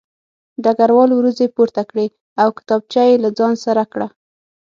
ډګروال وروځې پورته کړې او کتابچه یې له ځان سره کړه